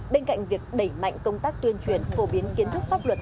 bên cạnh việc đẩy mạnh công tác tuyên truyền phổ biến kiến thức pháp luật